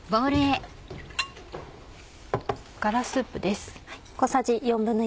ガラスープです。